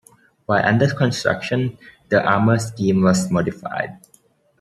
While under construction, the armor scheme was modified.